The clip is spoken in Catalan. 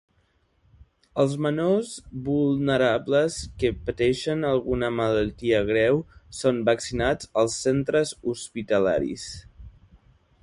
Els menors vulnerables, que pateixen alguna malaltia greu són vaccinats als centres hospitalaris.